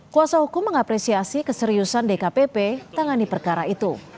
kuasa hukum mengapresiasi keseriusan dkpp tangani perkara itu